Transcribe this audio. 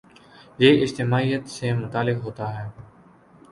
یہ اجتماعیت سے متعلق ہوتا ہے۔